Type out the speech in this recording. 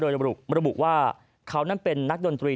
โดยระบุว่าเขานั้นเป็นนักดนตรี